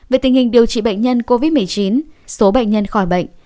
về tình hình điều trị bệnh nhân covid một mươi chín số bệnh nhân khỏi bệnh